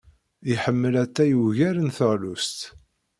Iḥemmel atay ugar n teɣlust.